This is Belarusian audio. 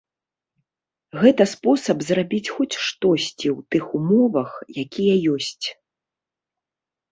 Гэта спосаб зрабіць хоць штосьці ў тых умовах, якія ёсць.